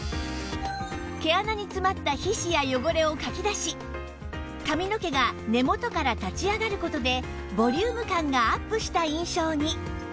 毛穴に詰まった皮脂や汚れをかき出し髪の毛が根元から立ち上がる事でボリューム感がアップした印象に